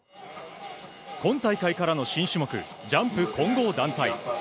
今大会からの新種目、ジャンプ混合団体。